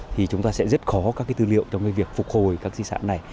thì chúng ta sẽ rất khó các tư liệu trong việc phục hồi các di sản